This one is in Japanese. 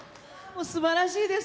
すばらしいです